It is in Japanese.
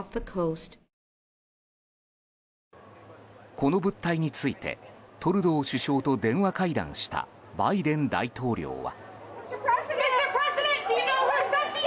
この物体についてトルドー首相と電話会談したバイデン大統領は。